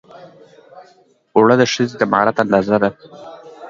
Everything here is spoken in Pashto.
اوړه د ښځو د مهارت اندازه ده